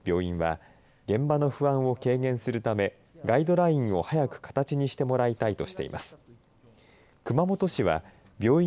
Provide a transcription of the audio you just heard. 病院は現場の不安を軽減するためガイドラインを早く形にしてもらいたいとしています。